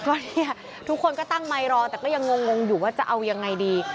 ก็เนี่ยทุกคนก็ตั้งไมค์รอแต่ก็ยังงงอยู่ว่าจะเอายังไงดี